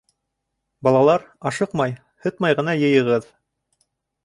— Балалар, ашыҡмай, һытмай ғына йыйығыҙ!